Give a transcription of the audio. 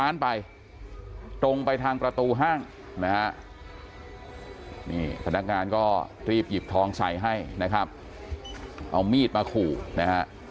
นี่พนักงานก็รีบหยิบทองใส่ให้นะครับเอามีดมาขู่นะฮะ